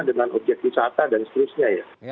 dengan objek wisata dan seterusnya ya